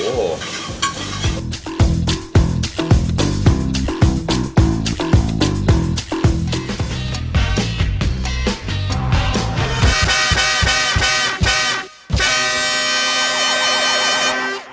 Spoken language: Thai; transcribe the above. โปรดติดตามตอนต่อไป